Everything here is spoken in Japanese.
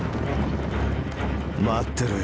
待ってろよ